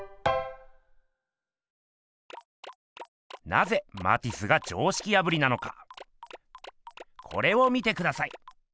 なぜマティスが常識破りなのかこれを見てください。